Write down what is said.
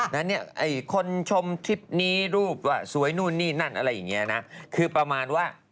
แล้วเนี่ยคนชมทริปนี้รูปสวยนู่นนี่นั่นอะไรอย่างงี้นะ